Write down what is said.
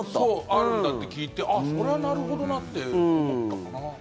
あるんだって聞いてそれはなるほどなって思ったかな。